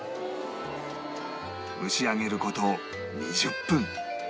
蒸し上げる事２０分